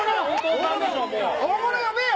大物、呼べよ！